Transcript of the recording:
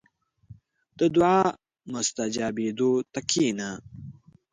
• د دعا مستجابېدو ته کښېنه.